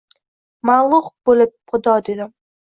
Mag’lub bo’lib Xudo dedim.